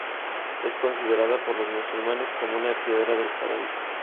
Es considerada por los musulmanes como una piedra del Paraíso.